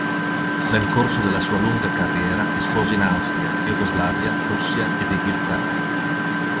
Nel corso della sua lunga carriera espose in Austria, Jugoslavia, Russia ed Inghilterra.